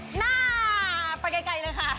หน้าไปไกลเลยค่ะ